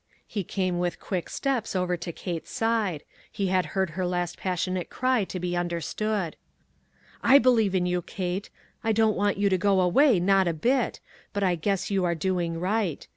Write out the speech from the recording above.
He came with quick steps over to Kate's side. He had heard her last passion ate cry to be understood. " I believe in you, Kate ; I don't want you to go away, not a bit; but I guess you are doing right.